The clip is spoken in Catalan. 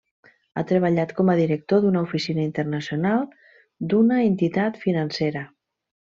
Ha treballat com a director d'una oficina internacional d'una entitat financera.